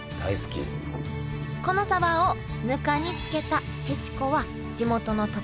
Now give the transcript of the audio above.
このサバをぬかに漬けたへしこは地元の特産品です